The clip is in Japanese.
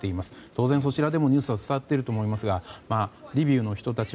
当然、そちらでもニュースが伝わっていると思いますがリビウの人たち